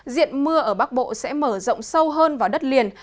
diện mưa ở bắc bộ sẽ mở rộng sâu hơn vào đất liền